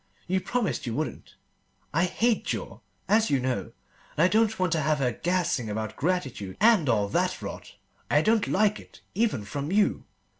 You promised you wouldn't. I hate jaw, as you know, and I don't want to have her gassing about gratitude and all that rot. I don't like it, even from you.